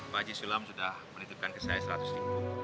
pak haji sulam sudah menitupkan kesalahan seratus ribu